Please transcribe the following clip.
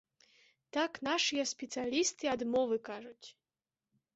Так нашыя спецыялісты ад мовы кажуць.